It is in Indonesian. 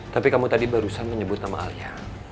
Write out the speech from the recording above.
tapi kamu tadi barusan menyebut nama alia